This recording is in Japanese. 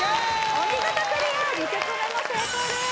お見事クリア２曲目も成功です